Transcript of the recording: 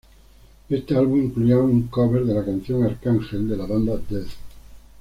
Este álbum incluía un cover de la canción "Archangel" de la banda Death.